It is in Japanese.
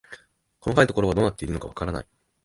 細かいところはどうなっているのかわからない